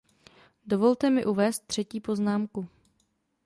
Dovolte mi uvést třetí poznámku.